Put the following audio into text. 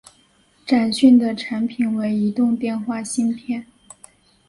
展讯的产品为移动电话芯片。